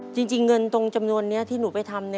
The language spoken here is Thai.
จริงเงินตรงจำนวนนี้ที่หนูไปทำ